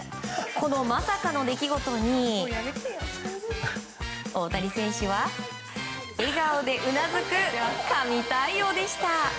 このまさかの出来事に大谷選手は笑顔でうなずく神対応でした。